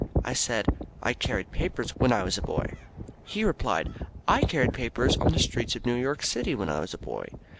I said, "I carried papers when I was a boy." He replied, "I carried papers on the streets of New York City when I was a boy."